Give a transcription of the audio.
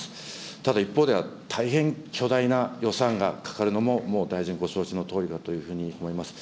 ただ一方では、大変巨大な予算がかかるのも、もう大臣、ご承知のとおりだというふうに思います。